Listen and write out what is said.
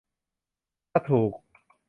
ถ้าถูก